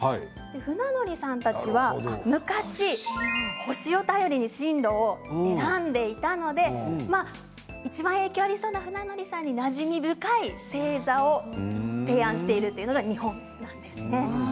船乗りさんたちは昔星を頼りに進路を選んでいたのでいちばん影響がありそうな船乗りさんになじみ深い星座を提案しているというのが日本なんです。